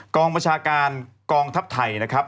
กองบัญชาการกองทัพไทยนะครับ